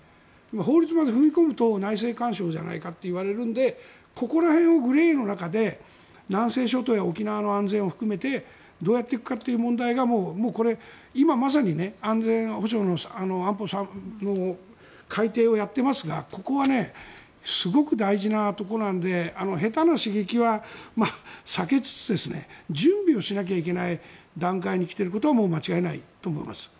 法律まで踏み込むと内政干渉じゃないかって言われるのでここら辺をグレーの中で南西諸島や沖縄の安全を含めてどうやって行くかという問題が今まさに安全保障の安保３文書の改訂をやっていますがここはすごく大事なところなので下手な刺激は避けつつ準備をしなきゃいけない段階に来ていることはもう間違いないと思います。